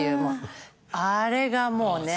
あれがもうね。